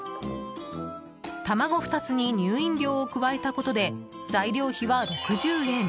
卵２つに乳飲料を加えたことで材料費は６０円。